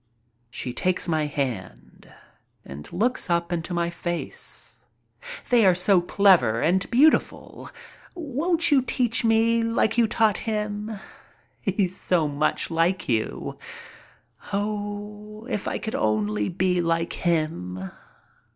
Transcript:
She takes my hand and looks up into my face. "They are so clever and beautiful. Won't you teach me like you taught him? He's so much like you. Oh, if I could only be like him."